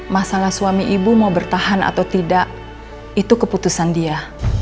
masalah suami ibu mau bertahan atau tidak itu keputusan dia